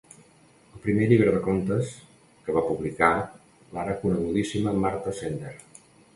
El primer llibre de contes que va publicar l'ara conegudíssima Marta Sender.